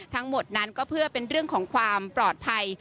ทั้งหมดนั้นก็เพื่อเป็นเรื่องของความปลอดภัย